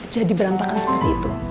jadi berantakan seperti itu